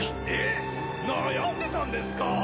えっ悩んでたんですか！？